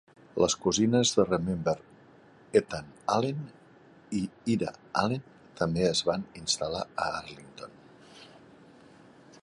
Les cosines de Remember Ethan Allen i Ira Allen també es van instal·lar a Arlington.